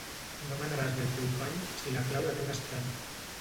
No manaràs del teu pany, si la clau la té un estrany.